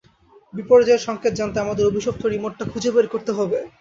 বিপর্যয়ের সংকেত জানতে আমাদের অভিশপ্ত রিমোটটা খুঁজে বের করতে হবে।